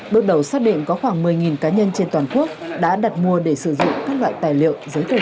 bước đầu xác định có khoảng một mươi cá nhân trên toàn quốc đã đặt mua để sử dụng các loại tài liệu giấy tờ